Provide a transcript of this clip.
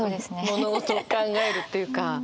物事を考えるというか。